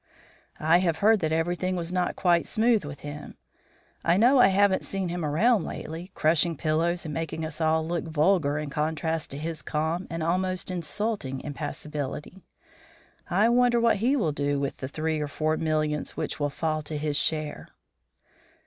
"I have heard that everything was not quite smooth with him. I know I haven't seen him around lately, crushing pillows and making us all look vulgar in contrast to his calm and almost insulting impassibility. I wonder what he will do with the three or four millions which will fall to his share."